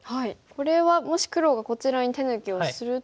これはもし黒がこちらに手抜きをすると。